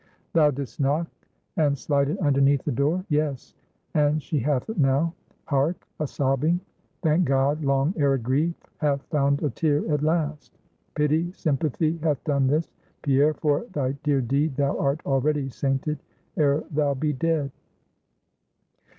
"Thou did'st knock, and slide it underneath the door?" "Yes, and she hath it now. Hark! a sobbing! Thank God, long arid grief hath found a tear at last. Pity, sympathy hath done this. Pierre, for thy dear deed thou art already sainted, ere thou be dead."